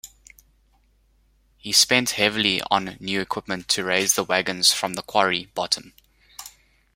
He spent heavily on new equipment to raise the wagons from the quarry bottom.